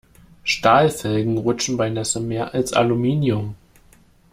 Stahlfelgen rutschen bei Nässe mehr als Aluminium.